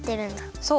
そう。